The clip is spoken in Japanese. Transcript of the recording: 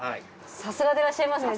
さすがでいらっしゃいますね。